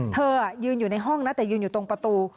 เธอยืนอยู่ในห้องนะแต่ยืนอยู่ตรงประตู